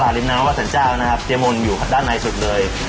ตลาดริมน้ำวัฒนเจ้านะครับเจมส์มนต์อยู่ด้านในสุดเลย